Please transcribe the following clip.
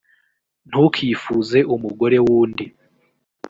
ntukifuze umugore w’undi